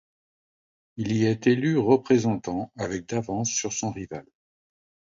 Il y est élu représentant avec d'avance sur son rival.